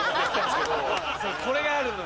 これがあるのよ。